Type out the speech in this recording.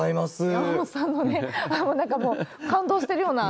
山本さんもなんかもう、感動してるような。